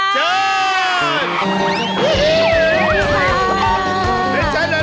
คุณฝนธนสุนทรค่ะ